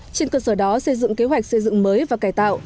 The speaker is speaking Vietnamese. trên cơ sở đó xây dựng kế hoạch xây dựng mới và cải tạo